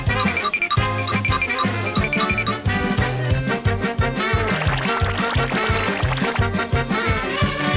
โปรดติดตามตอนต่อไป